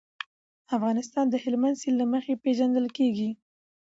افغانستان د هلمند سیند له مخې پېژندل کېږي.